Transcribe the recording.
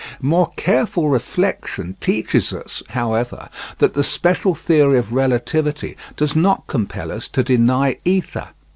More careful reflection teaches us, however, that the special theory of relativity does not compel us to deny ether.